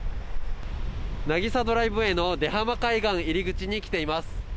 なぎさドライブウェイの出浜海岸入り口に来ています。